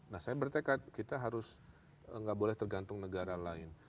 nah saya bertekad kita harus nggak boleh tergantung negara lain